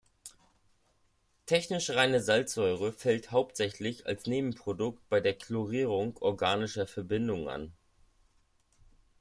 Technisch reine Salzsäure fällt hauptsächlich als Nebenprodukt bei der Chlorierung organischer Verbindungen an.